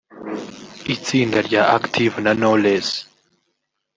itsinda rya Active na Knowless